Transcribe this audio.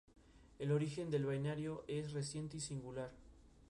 Originalmente la estación iba a recibir el nombre de "Los Pinos".